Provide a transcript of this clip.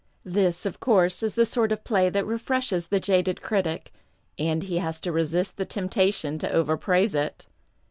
This, of course, is the sort of play that refreshes the jaded critic, and he has to resist the temptation to over praise it.